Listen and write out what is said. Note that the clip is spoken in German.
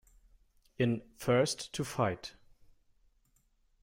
In "First to fight!